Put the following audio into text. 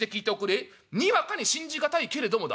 にわかに信じ難いけれどもだ